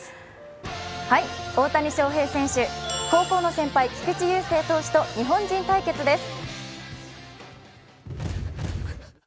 大谷翔平選手、高校の先輩、菊池雄星選手と日本人対決です。